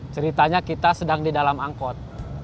ceritanya kita sedang di dalam angkot